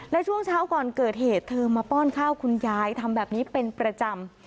และช่วงเช้าก่อนเกิดเหตุเธอมาป้อนข้าวคุณยายทำแบบนี้เป็นประจำ